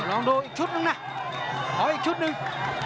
ลองดูอีกชุดหนึ่งนะขออีกชุดหนึ่ง